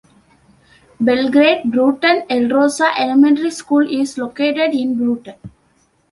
Belgrade-Brooten-Elrosa Elementary School is located in Brooten.